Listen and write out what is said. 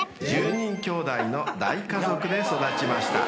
［１０人きょうだいの大家族で育ちました］